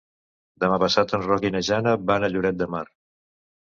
Demà passat en Roc i na Jana van a Lloret de Mar.